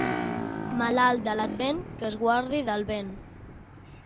Malalt de l'Advent que es guardi del vent.